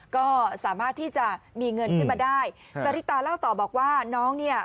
ก็สามารถที่จะมีเงินขึ้นมาได้สริตาเล่าต่อบอกว่าน้องเนี่ย